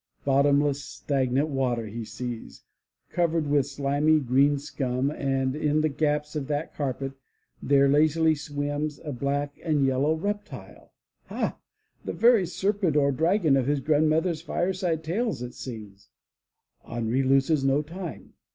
Bottomless, stagnant water he sees, cov ered with slimy, green scum, and in the gaps of that carpet, there lazily swims a black and yellow reptile! Ha! the very serpent or dragon of his grandmother's fireside tales it seems. Henri loses no time.